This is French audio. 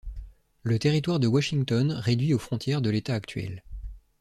Le territoire de Washington, réduit aux frontières de l'État actuel.